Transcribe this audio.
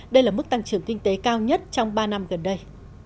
đây là mức tăng trưởng kinh tế cao nhất trong ba năm gần đây